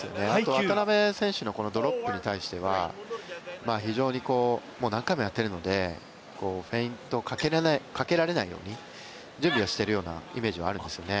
渡辺選手のドロップに対しては非常にもう何回もやっているのでフェイントをかけられないように準備をしているようなイメージはあるんですよね。